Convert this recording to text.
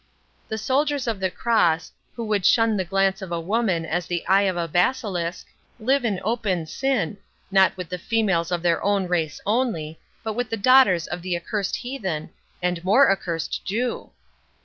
50 "The soldiers of the Cross, who should shun the glance of a woman as the eye of a basilisk, live in open sin, not with the females of their own race only, but with the daughters of the accursed heathen, and more accursed Jew.